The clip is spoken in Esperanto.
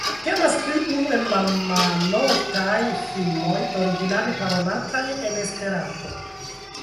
Temas pri unu el la maloftaj filmoj originale parolataj en Esperanto.